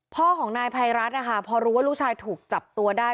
พ่อของนายภัยรัฐนะคะพอรู้ว่าลูกชายถูกจับตัวได้